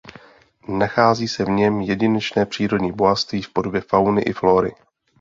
Nachází se v něm jedinečné přírodní bohatství v podobě fauny i flóry.